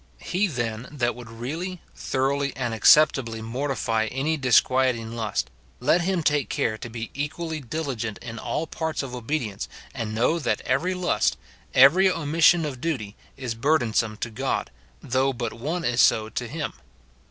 He, then, that would really, thoroughly, and acceptably mortify any disquieting lust, let him take care to be equally dili gent in all parts of obedience, and know that every lust, every omission of duty, is burdensome to God, though but one is so to him.